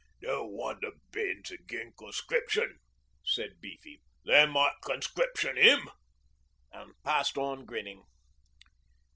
'Don't wonder Ben's agin conscription,' said Beefy; 'they might conscription 'im,' and passed on grinning.